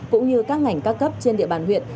cũng như các ngành các cấp trên địa bàn huyện